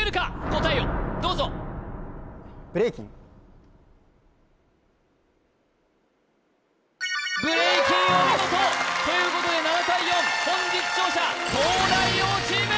答えをどうぞブレイキンお見事！ということで７対４本日勝者東大王チーム！